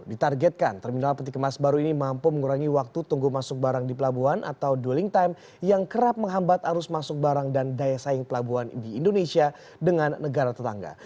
ditargetkan terminal petikemas baru ini mampu mengurangi waktu tunggu masuk barang di pelabuhan atau dwelling time yang kerap menghambat arus masuk barang dan daya saing pelabuhan di indonesia dengan negara tetangga